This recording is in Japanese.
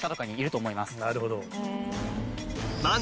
なるほど。